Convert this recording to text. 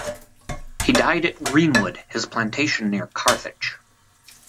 He died at "Greenwood," his plantation near Carthage.